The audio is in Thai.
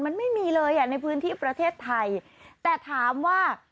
มันไม่มีเลยอ่ะในพื้นที่ประเทศไทยแต่ถามว่า